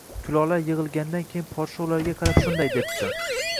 Kulollar yig‘ilgandan keyin podsho ularga qarab shunday debdi